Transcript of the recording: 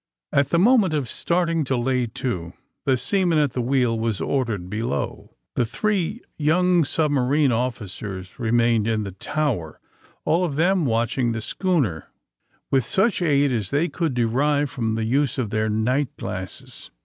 At the moment of starting to lay to, the sea man at the wheel was ordered below. The three young submarine officers remained in the tower, all of them watching the schooner, with such aid as they could derive from the use of their night glasses.